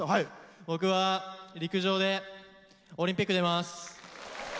僕は陸上でオリンピックに出ます！